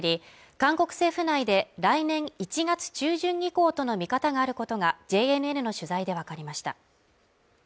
韓国政府内で来年１月中旬以降との見方があることがＪＮＮの取材で分かりました